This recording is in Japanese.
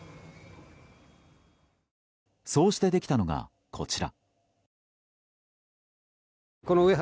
そうしてできたのが、こちら。